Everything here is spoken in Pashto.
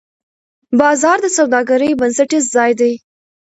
بازار د سوداګرۍ بنسټیز ځای دی.